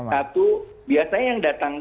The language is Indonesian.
satu biasanya yang datang